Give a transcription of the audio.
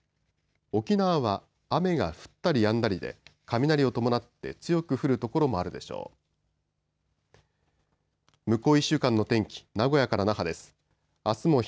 沖縄は雨が降ったりやんだりで雷を伴って強く降る所もあるでしょう。